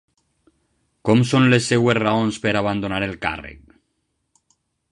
Com són les seves raons per abandonar el càrrec?